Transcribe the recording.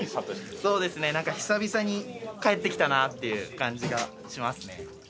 そうですね、なんか久々に帰ってきたなという感じがしますね。